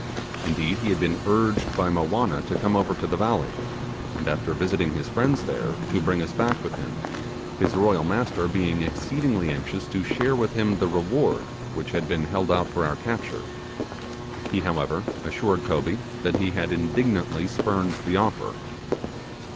Indeed, he had been urged by Mowanna to come over to the valley, and after visiting his friends there, to bring us back with him, his royal master being exceedingly anxious to share with him the reward which had been held out for our capture. He, however, assured Toby that he had indignantly spurned the offer.